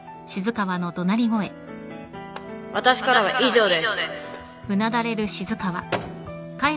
私からは以上です。